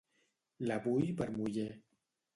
La vull per muller.